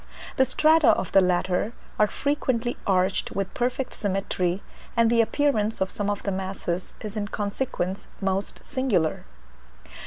The strata of the latter are frequently arched with perfect symmetry, and the appearance of some of the masses is in consequence most singular.